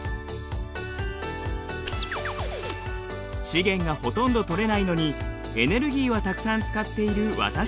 資源がほとんど採れないのにエネルギーはたくさん使っている私たち。